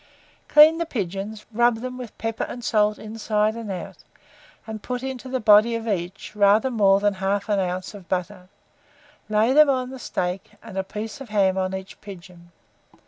Clean the pigeons, rub them with pepper and salt inside and out, and put into the body of each rather more than 1/2 oz. of butter; lay them on the steak, and a piece of ham on each pigeon.